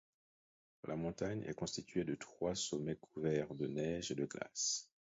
La montagne est constituée de trois sommets couverts de neige et de glace.